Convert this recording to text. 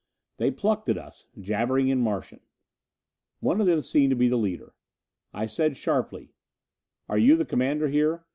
They plucked at us, jabbering in Martian. One of them seemed the leader. I said sharply, "Are you the commander here?